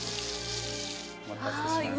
お待たせしました。